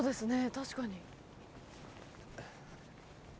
確かに。